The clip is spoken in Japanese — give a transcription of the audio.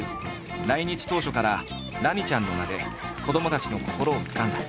来日当初から「ラミちゃん」の名で子どもたちの心をつかんだ。